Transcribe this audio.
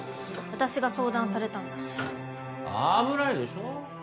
私が相談されたんだし危ないでしょ